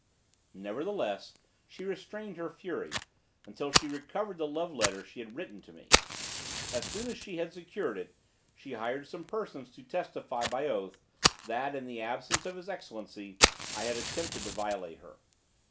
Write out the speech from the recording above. Nevertheless, she restrained her fury, until she recovered the love letter she had written to me. As soon as she had secured it, she hired some persons to testify by oath, that, in the absence of his Excellency, I had attempted to violate her.